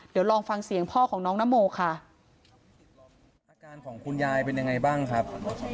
เดี๋ยวลองฟังเสียงพ่อของน้องนโมค่ะอาการของคุณยายเป็นยังไงบ้างครับ